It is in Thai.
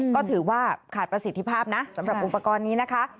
ก็ถือว่าขาดประสิทธิภาพนะสำหรับอุปกรณ์นี้นะคะ